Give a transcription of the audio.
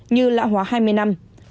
như lạ hóa hai mươi năm